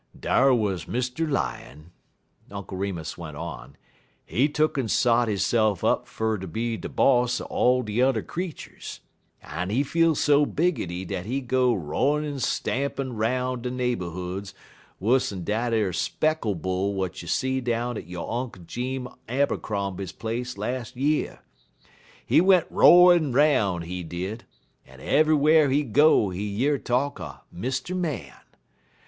"Dar wuz Mr. Lion," Uncle Remus went on; "he tuck'n sot hisse'f up fer ter be de boss er all de yuther creeturs, en he feel so biggity dat he go ro'in' en rampin' 'roun' de neighborhoods wuss'n dat ar speckle bull w'at you see down at yo' Unk' Jeems Abercrombie place las' year. He went ro'in' 'roun', he did, en eve'ywhar he go he year talk er Mr. Man.